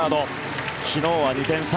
昨日は２点差